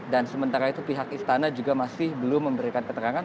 sementara itu pihak istana juga masih belum memberikan keterangan